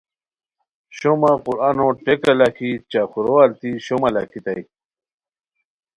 شومہ قرآنو ٹیکہ لاکھی چخورو التی شومہ لاکھیتائے